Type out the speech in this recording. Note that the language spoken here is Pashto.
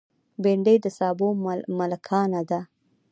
بېنډۍ د سابو ملکانه ده